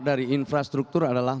dari infrastruktur adalah